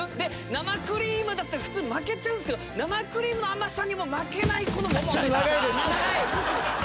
生クリームだったら普通負けちゃうんすけど生クリームの甘さにも負けない。